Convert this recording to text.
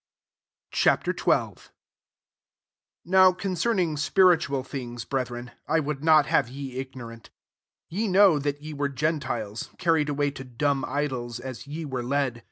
Ch. XII. 1 NOW concern ing spiritual things, bretbreo, 1 Would not have ye ignorant 2 Ye know that ye were gen tiles, carried away to dan* idols, as ye were led.